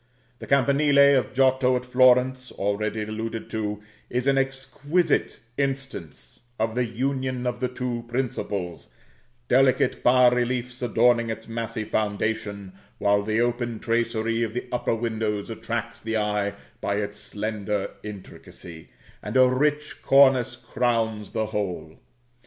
The campanile of Giotto at Florence, already alluded to, is an exquisite instance of the union of the two principles, delicate bas reliefs adorning its massy foundation, while the open tracery of the upper windows attracts the eye by its slender intricacy, and a rich cornice crowns the whole.